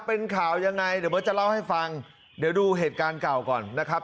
เป็นข่าวยังไงเดี๋ยวเบิร์ตจะเล่าให้ฟังเดี๋ยวดูเหตุการณ์เก่าก่อนนะครับ